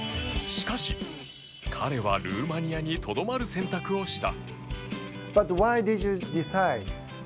しかし彼はルーマニアに留まる選択をした